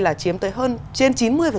là chiếm tới hơn trên chín mươi